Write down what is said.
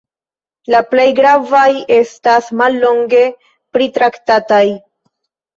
La plej gravaj estas mallonge pritraktataj.